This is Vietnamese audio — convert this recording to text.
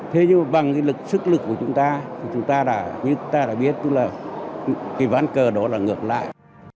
thế nhưng mà bằng cái lực sức lực của chúng ta chúng ta đã biết cái ván cờ đó là ngược lại